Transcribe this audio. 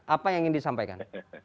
apa yang ingin disampaikan